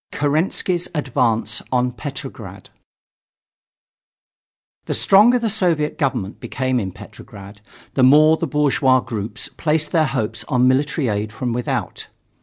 KERENSKY'S ADVANCE ON PETROGRAD The stronger the Soviet government became in Petrograd, the more the bourgeois groups placed their hopes on military aid from without.